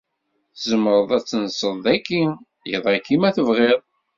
Tzemreḍ ad tenseḍ dagi iḍ-agi ma tebɣiḍ.